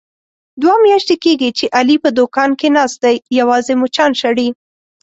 دوه میاشتې کېږي، چې علي په دوکان کې ناست دی یوازې مچان شړي.